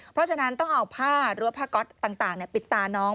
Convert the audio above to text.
เพราะฉะนั้นต้องเอาผ้ารั้วผ้าก๊อตต่างปิดตาน้อง